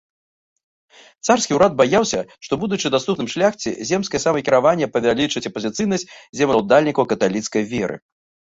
Царскі ўрад баяўся, што, будучы даступным шляхце, земскае самакіраванне павялічыць апазіцыйнасць землеўладальнікаў каталіцкай веры.